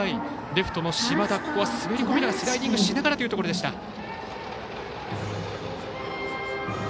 レフトの嶋田スライディングしながらというところでした。